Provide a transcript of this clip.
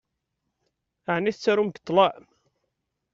Ɛni tettarum deg ṭṭlam?